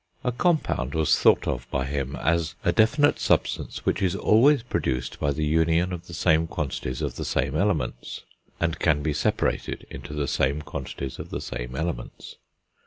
A compound was thought of by him as a definite substance which is always produced by the union of the same quantities of the same elements, and can be separated into the same quantities of the same elements.